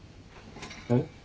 えっ？